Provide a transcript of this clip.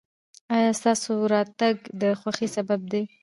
ایا ستاسو راتګ د خوښۍ سبب دی؟